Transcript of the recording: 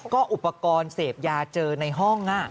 ก็อุปกรณ์เสพยาเจอในห้อง